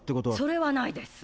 それはないです。